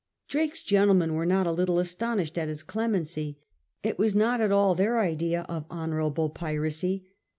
Drake's gentlemen were not a little astonished at his clemency ; it was not at all their idea of honour able piracy.